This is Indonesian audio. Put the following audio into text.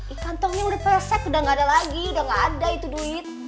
ih kantongnya udah pesek udah gak ada lagi udah gak ada itu duit